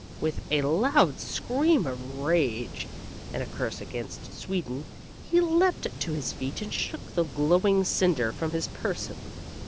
With a loud scream of rage and a curse against Sweden, he leaped to his feet and shook the glowing cinder from his person.